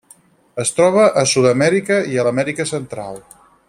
Es troba a Sud-amèrica i a l'Amèrica Central.